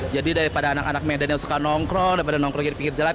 daripada anak anak medan yang suka nongkrong daripada nongkrong di pinggir jalan